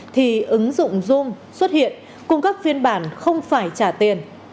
thì ứng dụng zoom xuất hiện cùng các phiên bản không phải trả tiền